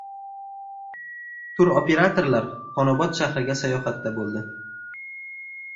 Turoperatorlar Xonobod shahriga sayohatda bo‘ldi